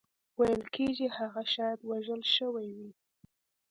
ویل کېږي هغه شاید وژل شوی وي.